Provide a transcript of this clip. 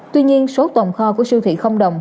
tuy nhiên số tồn kho của siêu thị không đồng